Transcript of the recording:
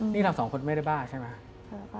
นี่เราสองคนไม่ได้บ้าใช่ไหม